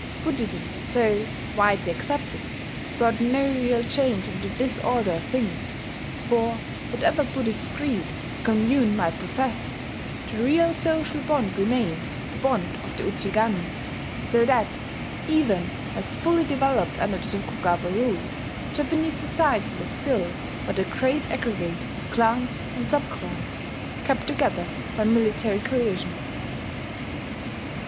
Buddhism, though widely accepted, brought no real change into this order of things; for, whatever Buddhist creed a commune might profess, the real social bond remained the bond of the Ujigami. So that, even as fully developed under the Tokugawa rule, Japanese society was still but a great aggregate of clans and subclans, kept together by military coercion.